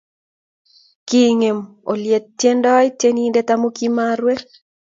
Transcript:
Kingem oleityendoi tyenindet amu kimarue